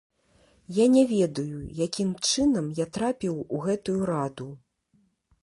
Я не ведаю, якім чынам я трапіў у гэтую раду.